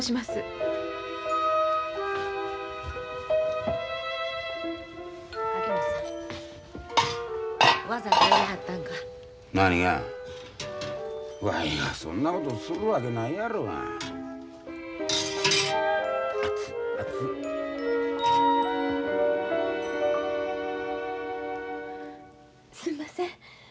すんません。